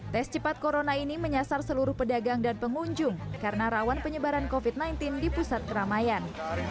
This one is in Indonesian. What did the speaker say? tes cepat corona ini menyasar seluruh pedagang dan pengunjung karena rawan penyebaran covid sembilan belas di pusat keramaian